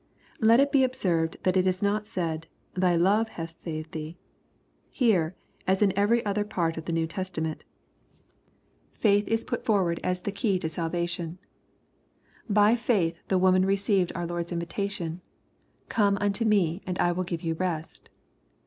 ] Let it be observed that it is not said, " thy love hath saved thee." Here, as in every other part of the New Testament, faith is put forward as the key to salva LUKE, CHAP, vni, i43 lion. By faith, the woman received our Lord*s invitation, " come untx) me and I will give you rest."